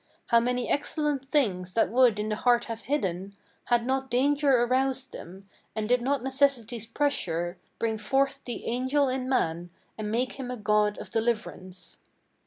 How many excellent things that would in the heart have hidden, Had not danger aroused them, and did not necessity's pressure Bring forth the angel in man, and make him a god of deliv'rance."